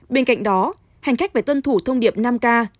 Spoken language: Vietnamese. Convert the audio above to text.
bên cạnh đó hành khách phải tuân thủ thông điệp năm k